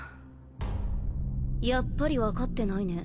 やっぱり分かってないね